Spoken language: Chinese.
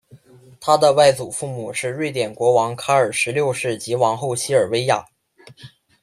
他的外祖父母是瑞典国王卡尔十六世及王后西尔维娅。